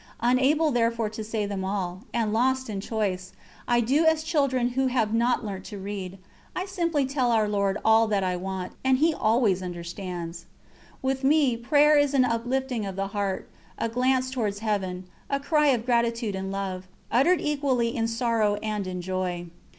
Unable therefore to say them all, and lost in choice, I do as children who have not learnt to read I simply tell Our Lord all that I want, and He always understands. With me prayer is an uplifting of the heart; a glance towards heaven; a cry of gratitude and love, uttered equally in sorrow and in joy.